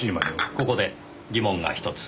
ここで疑問がひとつ。